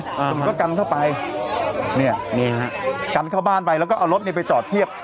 ผมก็กันเข้าไปเนี่ยนี่ฮะกันเข้าบ้านไปแล้วก็เอารถเนี้ยไปจอดเทียบ